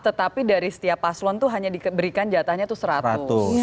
tetapi dari setiap paslon itu hanya diberikan jatahnya itu seratus